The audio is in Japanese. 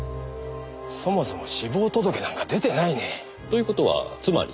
そもそも死亡届なんか出てないね。という事はつまり。